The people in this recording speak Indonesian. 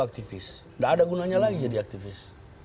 aktivis nggak ada gunanya lagi jadi aktivis